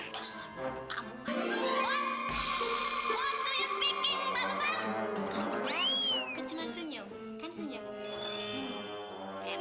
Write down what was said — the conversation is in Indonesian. biasa buat tamu kan